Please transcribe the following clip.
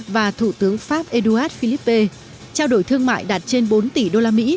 và thủ tướng pháp eduard philippe trao đổi thương mại đạt trên bốn tỷ usd